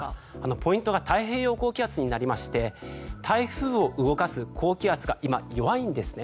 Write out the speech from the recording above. ポイントが太平洋高気圧になりまして台風を動かす高気圧が今、弱いんですね。